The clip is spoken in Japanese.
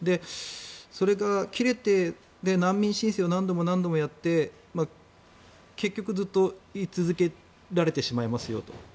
それが切れて難民申請を何度も何度もやって結局、ずっとい続けられてしまいますよと。